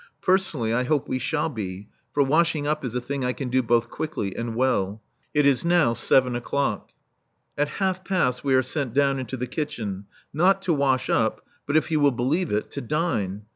Personally, I hope we shall be, for washing up is a thing I can do both quickly and well. It is now seven o'clock. At half past we are sent down into the kitchen, not to wash up, but, if you will believe it, to dine.